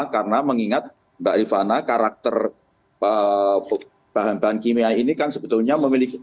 karena mengingat mbak rifana karakter bahan bahan kimia ini kan sebetulnya memiliki